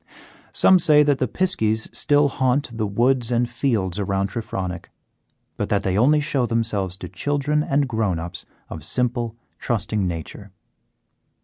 Some say that the piskies still haunt the woods and fields around Trefronick, but that they only show themselves to children and grown ups of simple, trusting nature.